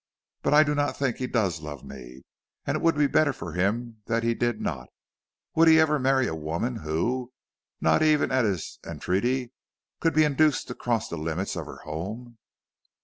But I do not think he does love me, and it would be better for him that he did not. Would he ever marry a woman who, not even at his entreaty, could be induced to cross the limits of her home?"